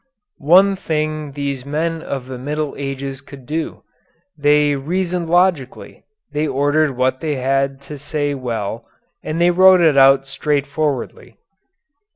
One thing these men of the Middle Ages could do, they reasoned logically, they ordered what they had to say well, and they wrote it out straightforwardly.